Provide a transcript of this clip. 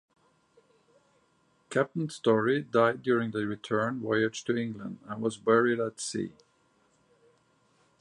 Captain Storry died during the return voyage to England and was buried at sea.